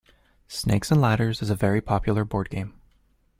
Snakes and ladders is a very popular board game